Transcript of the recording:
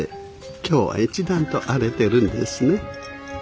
今日は一段と荒れてるんですね。